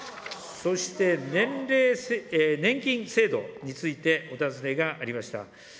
そして、年齢、年金制度について、お尋ねがありました。